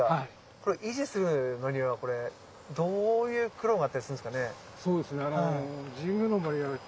これ維持するのにはどういう苦労があったりするんですかね？